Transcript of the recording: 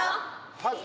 はい。